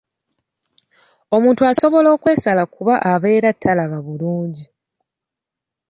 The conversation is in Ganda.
Omuntu asobola okwesala kuba abeera talaba bulungi.